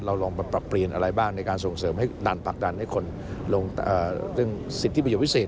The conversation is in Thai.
เราลองปรับปรีนอะไรบ้างในการส่งเสริมให้ดันปักดันให้คนลงสิทธิประโยชน์พิเศษ